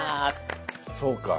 そうか。